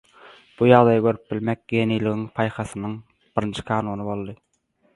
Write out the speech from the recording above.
Bu ýagdaýy görüp bilmek geniligiň, paýhasyň birinji kanuny boldy.